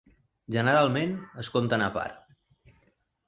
Generalment, es compten a part.